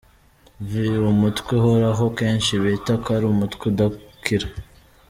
v Umutwe uhoraho kenshi bita ko ari umutwe udakira.